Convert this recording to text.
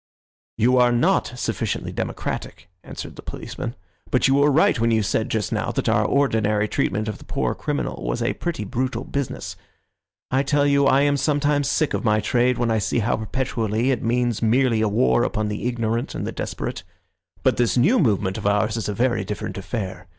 "You are not sufficiently democratic," answered the policeman, "but you were right when you said just now that our ordinary treatment of the poor criminal was a pretty brutal business. I tell you I am sometimes sick of my trade when I see how perpetually it means merely a war upon the ignorant and the desperate. But this new movement of ours is a very different affair.